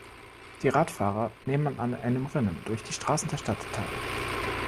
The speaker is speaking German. Die Radfahrer nehmen an einem Rennen durch die Straßen der Stadt teil